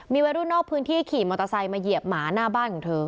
วัยรุ่นนอกพื้นที่ขี่มอเตอร์ไซค์มาเหยียบหมาหน้าบ้านของเธอ